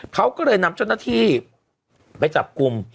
เขาก็เลยนำเจ้าหน้าที่ไปจับกลุ่ม